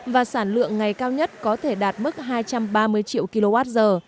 và sản lượng ngày cao nhất có thể đạt mức hai trăm ba mươi triệu kwh